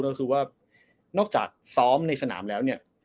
ก็คือว่านอกจากซ้อมในสนามแล้วเนี่ย